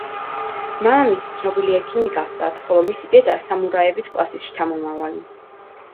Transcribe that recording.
მამამისი ცნობილი ექიმი გახლდათ, ხოლო მისი დედა სამურაების კლასის შთამომავალი.